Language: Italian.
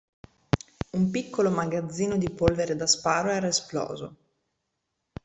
Un piccolo magazzino di polvere da sparo era esploso.